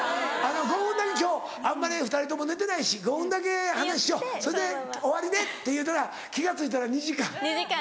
「５分だけ今日あんまり２人とも寝てないし５分だけ話しようそれで終わりね」って言うたら気が付いたら２時間。